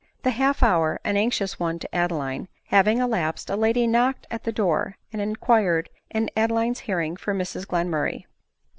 The half hour, an anxious one to Ad eline, having elapsed, a lady knocked at the door, and inquired, in Adeline's hearing, for Mrs Glenmurray.